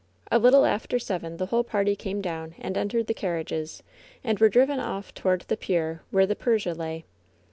A little after seven the whole party came down and entered the carriages, and were driven off toward the pier where the Persia lay.